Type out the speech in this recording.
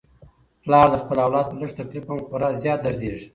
پلار د خپل اولاد په لږ تکلیف هم خورا زیات دردیږي.